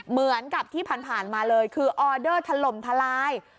เหมือนกับที่ผ่านมาเลยคือออเดอร์ถล่มทลาย